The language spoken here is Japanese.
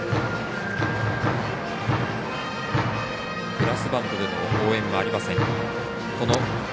ブラスバンドでの応援はありません。